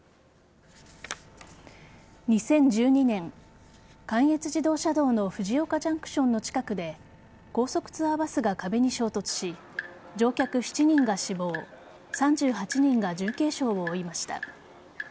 ２０１２年、関越自動車道の藤岡ジャンクションの近くで高速ツアーバスが壁に衝突し乗客７人が死亡３８人が重軽傷を負いました。